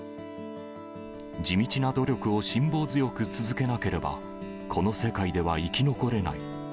地道な努力を辛抱強く続けなければ、この世界では生き残れない。